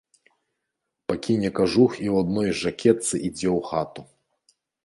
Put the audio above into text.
Пакіне кажух і ў адной жакетцы ідзе ў хату.